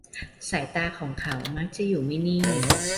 สายตาของเขามักจะอยู่ไม่นิ่ง